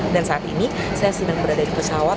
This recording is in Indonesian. dan saat ini saya sedang berada di pesawat